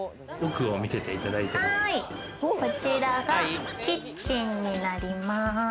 こちらがキッチンになります。